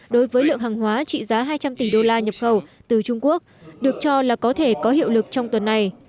đối với lượng hàng hóa trị giá hai trăm linh tỷ đô la nhập khẩu từ trung quốc được cho là có thể có hiệu lực trong tuần này